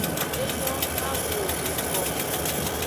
Enyo, ma glo wo me kpo.